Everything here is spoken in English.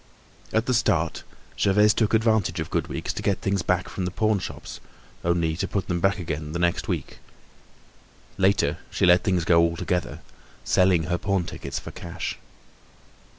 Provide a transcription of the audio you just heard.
At the start, Gervaise took advantage of good weeks to get things back from the pawn shops, only to put them back again the next week. Later she let things go altogether, selling her pawn tickets for cash.